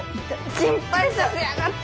心配させやがって！